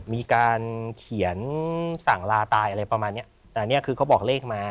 มีการเขียนสั่งลาตายอะไรประมาณเนี้ยแต่เนี้ยคือเขาบอกเลขมา